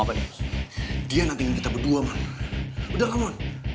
mantan suami aku